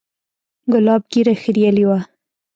ګلاب ږيره خرييلې وه.